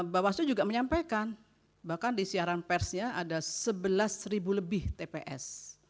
bawaslu juga menyampaikan bahkan di siaran persnya ada sebelas lebih tps